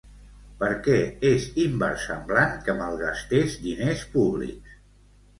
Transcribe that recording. Per què és inversemblant que malgastés diners públics?